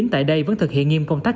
tại đây vẫn thực hiện nghiêm công tác